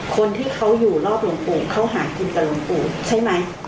คนที่เขาอยู่รอบหลวงปู่เขาหากินกับหลวงปู่ใช่ไหม